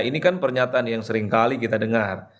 ini kan pernyataan yang seringkali kita dengar